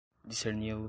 discerni-los